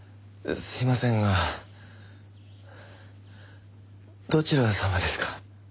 すいませんがどちら様ですか？